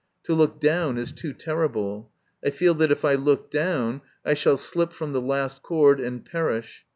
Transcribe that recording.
To look down is too terrible. I feel that if I look down I shall slip from the last cord and perish.